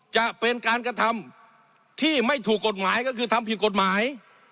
จะเป็นการกระทำที่ไม่ถูกกฎหมายก็คือทำผิดกฎหมาย